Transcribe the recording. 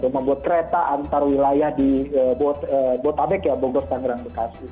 membuat kereta antar wilayah di bogor tanggerang bekasi